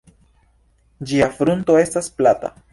Ĝia frunto estas plata.